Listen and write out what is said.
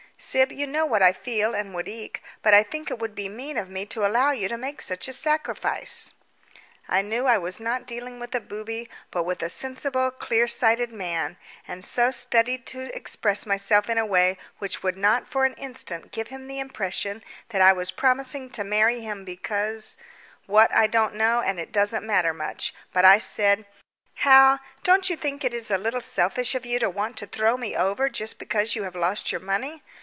"Syb, you know what I feel and would like, but I think it would be mean of me to allow you to make such a sacrifice." I knew I was not dealing with a booby, but with a sensible clear sighted man, and so studied to express myself in a way which would not for an instant give him the impression that I was promising to marry him because what I don't know and it doesn't matter much, but I said: "Hal, don't you think it is a little selfish of you to want to throw me over just because you have lost your money?